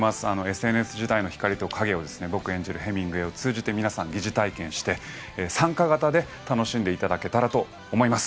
ＳＮＳ時代の光と影を僕が演じるヘミングウェイを通じて皆さん、疑似体験して参加型で楽しんでいただけたらと思います。